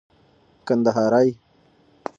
کندهارى